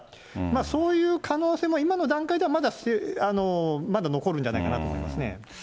そういう可能性も今の段階ではまだ残るんじゃないかなと思います